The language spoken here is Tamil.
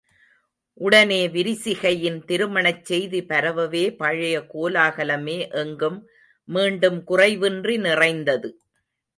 உடனே விரிசிகையின் திருமணச் செய்தி பரவவே பழைய கோலாகலமே எங்கும் மீண்டும் குறைவின்றி நிறைந்தது.